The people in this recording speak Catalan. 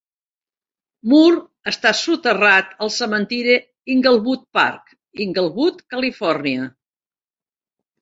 Moore està soterrat al cementiri d'Inglewood Park, Inglewood, Califòrnia.